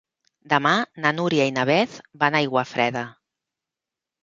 Demà na Núria i na Beth van a Aiguafreda.